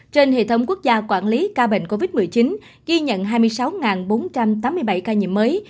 trên hệ thống quốc gia quản lý ca bệnh covid một mươi chín ghi nhận hai mươi sáu bốn trăm tám mươi bảy ca nhiễm mới